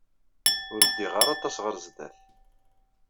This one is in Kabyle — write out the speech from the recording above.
Ur ddiɣ ara aṭas ɣer sdat.